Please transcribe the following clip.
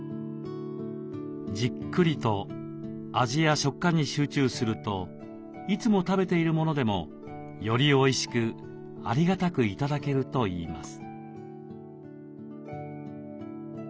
じっくりと味や食感に集中するといつも食べているものでもよりおいしくありがたく頂けるといいます。